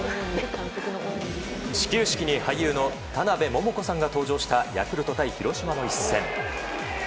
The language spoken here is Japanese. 始球式に俳優の田辺桃子さんが登場したヤクルト対広島の一戦。